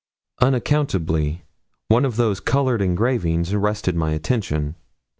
Unaccountably one of those coloured engravings arrested my attention.